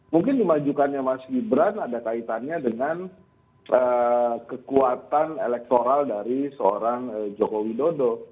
mungkin dimajukannya mas gibran ada kaitannya dengan kekuatan elektoral dari seorang joko widodo